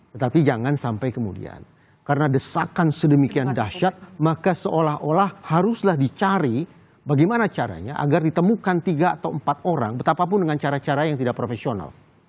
tetapi jangan sampai kemudian karena desakan sedemikian dahsyat maka seolah olah haruslah dicari bagaimana caranya agar ditemukan tiga atau empat orang betapapun dengan cara cara yang tidak profesional